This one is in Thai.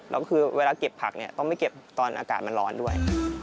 แล้วคือเวลาเก็บผักเนี่ยต้องไม่เก็บตอนอากาศมันร้อนด้วย